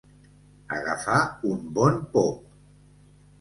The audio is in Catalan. Agafar un bon pop.